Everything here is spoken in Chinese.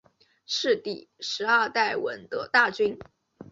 是第十二代闻得大君。